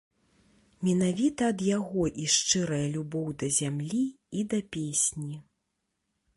Менавіта ад яго і шчырая любоў да зямлі і да песні.